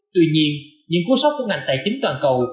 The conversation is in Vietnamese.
tuy nhiên những cú sốc của ngành tài chính toàn cầu